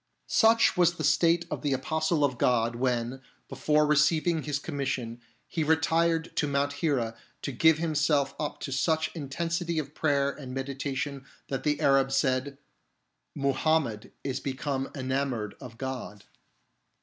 Such THREE DEGREES OF KNOWLEDGE 49 was the state of the Apostle of God when, before receiving his commission, he retired to Mount Hira to give himself up to such intensity of prayer and meditation that the Arabs said :" Mu hammed is become enamoured of God."